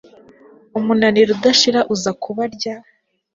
umunaniro udashira uza kubarya